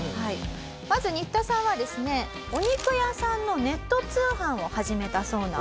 まずニッタさんはですねお肉屋さんのネット通販を始めたそうなんです。